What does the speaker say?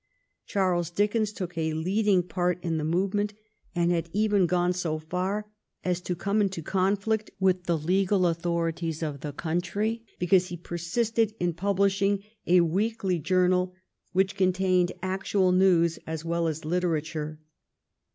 Charles Dickens took a leading part in the movement, and had even gone so far as to come into conflict with the legal authorities of the country because he persisted in publishing a weekly journal which contained actual news as well as literature.